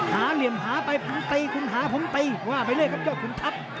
หาเหลี่ยมหาไปคุณหาผมเต้ว่าไปเลยครับยอดขุมทัพ